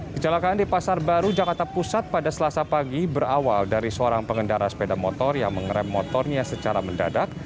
kecelakaan di pasar baru jakarta pusat pada selasa pagi berawal dari seorang pengendara sepeda motor yang mengerem motornya secara mendadak